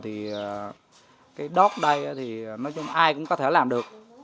thì cái bước đầu thì cái đót đây thì nói chung ai cũng có thể làm được